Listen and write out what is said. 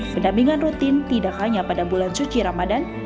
pendampingan rutin tidak hanya pada bulan suci ramadan